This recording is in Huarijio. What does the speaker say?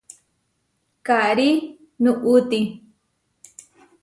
Karí nuʼúti.